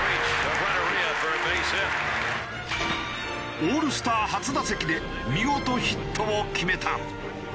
オールスター初打席で見事ヒットを決めた。